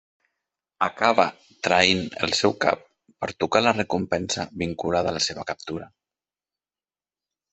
Acaba traint el seu cap per tocar la recompensa vinculada a la seva captura.